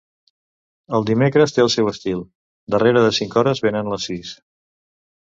El dimecres té el seu estil, darrere de cinc hores venen les sis.